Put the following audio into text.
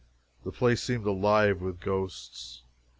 The place seemed alive with ghosts.